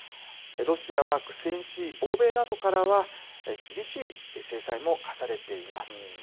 ロシアは苦戦し、欧米などからは厳しい制裁も科されています。